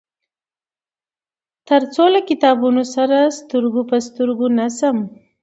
تر څو له کتابونه سره سترګو په سترګو نشم.